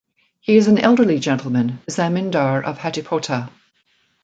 He is an elderly gentleman, the zamindar of Hatipota.